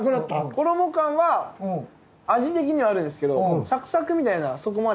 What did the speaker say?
衣感は味的にはあるんですけどサクサクみたいなそこまで。